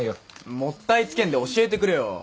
もったいつけんで教えてくれよ。